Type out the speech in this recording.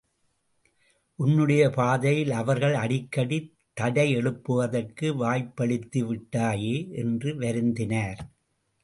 உன்னுடைய பாதையில் அவர்கள் அடிக்கடி தடையெழுப்புவதற்கு வாய்ப்பளித்து விட்டாயே! என்று வருந்தினார்.